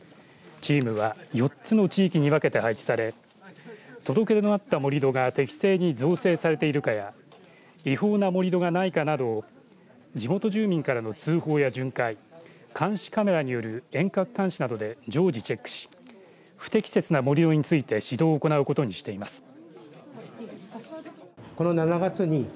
チームは４つの地域に分けて配置され届け出のあった盛り土が適正に造成されているかや違法な盛り土がないかなど地元住民からの通報や巡回監視カメラによる遠隔監視などで常時チェックし不適切な盛り土について指導を行うことにしています。